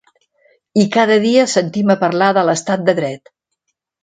I cada dia sentim a parlar de l’estat de dret.